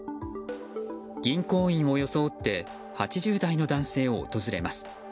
銀行員を装って８０代の男性を訪れます。